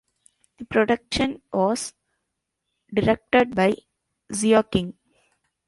The production was directed by Shea King.